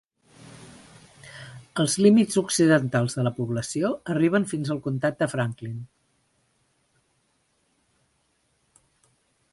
Els límits occidentals de la població arriben fins al comtat de Franklin.